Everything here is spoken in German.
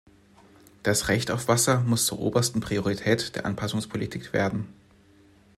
Das Recht auf Wasser muss zur obersten Priorität der Anpassungspolitik werden.